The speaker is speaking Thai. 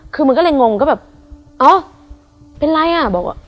คือมันก็เลยงงก็แบบเป็นไรอะ